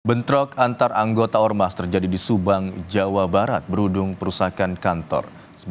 bentrok antar anggota ormas terjadi di subang jawa barat berujung perusakan kantor